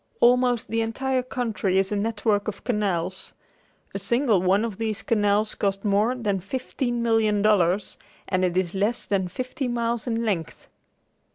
Almost the entire country is a network of canals. A single one of these canals cost more than fifteen million dollars and it is less than fifty miles in length.